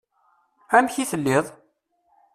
Amek i telliḍ?